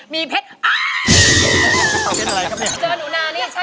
อ้วน